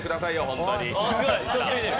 本当に。